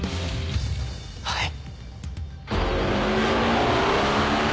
はい！